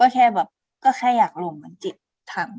เขาก็แค่อยากลงมันจิ๊บถัง